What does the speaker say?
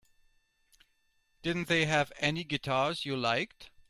Didn't they have any guitars you liked?